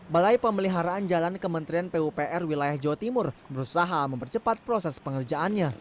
balai pemeliharaan jalan kementerian pupr wilayah jawa timur berusaha mempercepat proses pengerjaannya